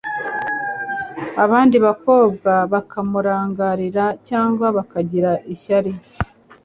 abandi bakobwa bakamurangarira cyangwa bakagira ishyari